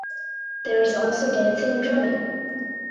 There is also dancing and drumming.